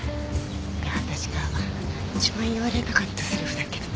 私が一番言われたかったせりふだけど。